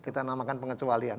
kita namakan pengecualian